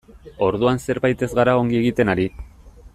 Orduan zerbait ez gara ongi egiten ari.